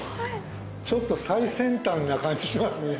ちょっと最先端な感じしますね。